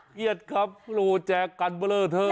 เครียดครับรู้แจกันเบลอเท่าไหร่